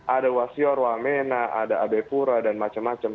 ada wasior wamena ada abe pura dan macam macam